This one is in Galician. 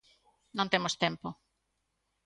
Non temos tempo.